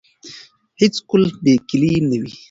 هیڅ قلف بې کیلي نه وي.